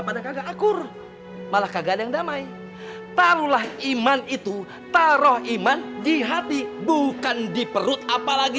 pada kakak akur malah kagak ada yang damai taruhlah iman itu taruh iman di hati bukan di perut apalagi